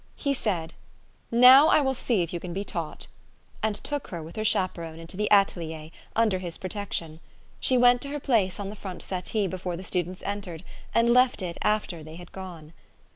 He said, " Now I will see if you can be taught," and took her, with her chaperone, into the atelier, under his protection. She went to her place on the front THE STORY OF AVIS. 67 settee before the students entered, and left it after they had gone.